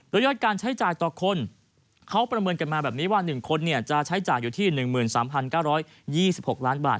โดยยอดการใช้จ่ายต่อคนเขาประเมินกันมาแบบนี้ว่า๑คนจะใช้จ่ายอยู่ที่๑๓๙๒๖ล้านบาท